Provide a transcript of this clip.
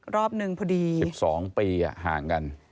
รอบหนึ่งพอดี๑๒ปีห่างกัน